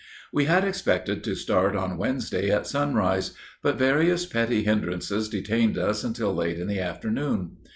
"We had expected to start on Wednesday at sunrise; but various petty hindrances detained us until late in the afternoon.